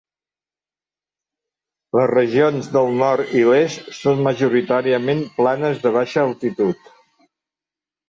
Les regions del nord i l'est són majoritàriament planes de baixa altitud.